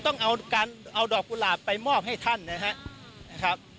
ต้องเอาการเอาดอกกุหลาบไปมอบให้ท่านนะครับ